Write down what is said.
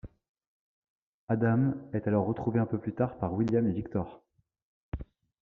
Adam est alors retrouvé un peu plus tard par William et Victor.